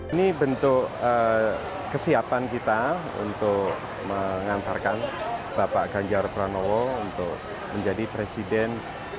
ini bentuk kesiapan kita untuk menghantarkan bapak ganjar pranowo untuk menjadi presiden dua ribu dua puluh empat